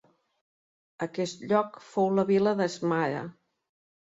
Aquest lloc fou la vila de Smara.